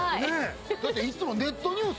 いつもネットニュース